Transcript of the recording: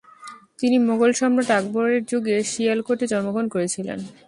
তিনি মোগল সম্রাট আকবরের যুগে শিয়ালকোটে জন্মগ্রহণ করেছিলেন।